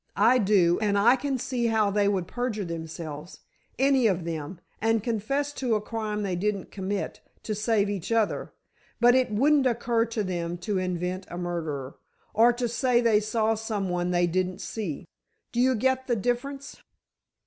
I do, and I can see how they would perjure themselves—any of them—and confess to a crime they didn't commit, to save each other—but it wouldn't occur to them to invent a murderer—or to say they saw some one they didn't see. Do you get the difference?"